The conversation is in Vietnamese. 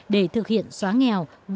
để thực hiện xóa nghèo